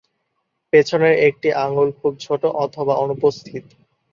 পেছনের একটি আঙুল খুব ছোট অথবা অনুপস্থিত।